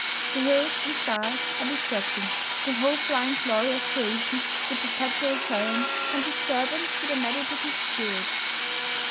The hills and sky are distracting; the whole flying glory of creation is a perpetual challenge and disturbance to the meditative spirit.